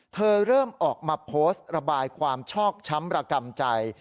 เริ่มออกมาโพสต์ระบายความชอกช้ำระกำใจ